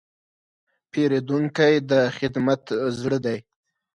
پیرودونکی د خدمت زړه دی.